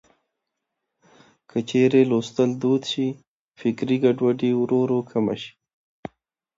که چېرې لوستل دود شي، فکري ګډوډي ورو ورو کمه شي.